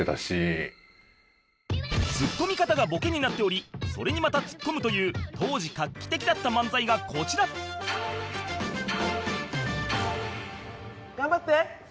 ツッコミ方がボケになっておりそれにまたツッコむという当時画期的だった漫才がこちら頑張って！